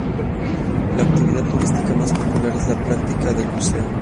La actividad turística más popular es la práctica del buceo.